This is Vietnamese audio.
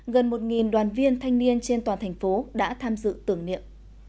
gần một đoàn viên thanh niên trên toàn thành phố đã tham dự tưởng niệm